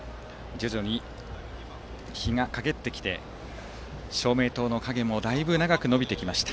徐々に日がかげってきて照明塔の影もだいぶ長く伸びてきました。